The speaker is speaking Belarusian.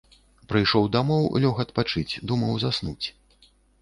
Прыйшоў дамоў, лёг адпачыць, думаў заснуць.